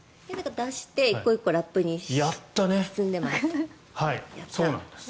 出して１個１個ラップに包んでます。